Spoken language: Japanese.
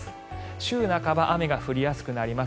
週半ば雨が降りやすくなります。